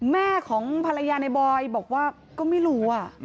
แม่ของภรรยาในบอยบอกว่าก็ไม่รู้